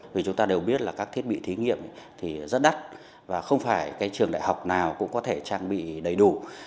vì chúng ta đều biết các thiết bị thí nghiệm rất đắt và không phải trường đại học nào cũng có thể trang bị đầy đủ